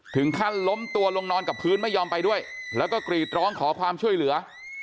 ถึงขั้นล้มตัวลงนอนกับพื้นไม่ยอมไปด้วยแล้วก็กรีดร้องขอความช่วยเหลือ